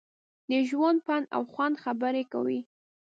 د ژوند، پند او خوند خبرې کوي.